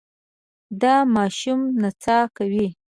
دا ماشوم نڅا کوي.